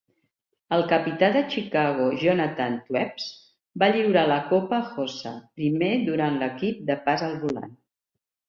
El capità de Chicago Jonathan Toews va lliurar la copa a Hossa primer durant l'equip de pas al voltant.